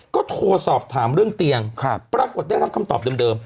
ก็โทรสอบถามเรื่องเตียงปรากฏได้รับคำตอบเดิม